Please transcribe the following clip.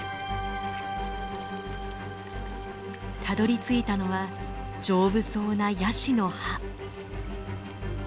たどりついたのは丈夫そうなヤシの葉。